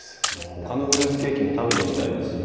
ほかのフルーツケーキも食べてみたいです。